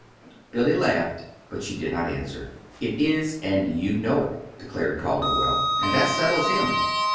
Billy laughed, but she did not answer. "It is, and you know it," declared Calderwell. "And that settles him.